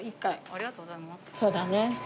ありがとうございます